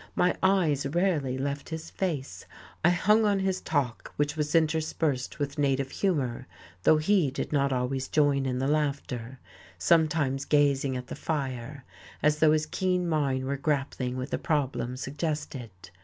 My eyes rarely left his face; I hung on his talk, which was interspersed with native humour, though he did not always join in the laughter, sometimes gazing at the fire, as though his keen mind were grappling with a problem suggested.